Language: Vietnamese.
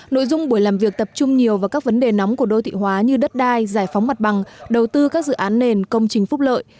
nội dung buổi làm việc tập trung nhiều vào các vấn đề nóng của đô thị hóa như đất đai giải phóng mặt bằng đầu tư các dự án nền công trình phúc lợi